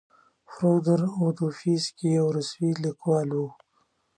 فودور اودویفسکي یو روسي لیکوال و.